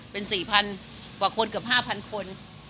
เป็น๔๐๐๐กว่าคนเกือบ๕๐๐คน